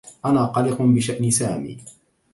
أنا قلق بشأن سامي.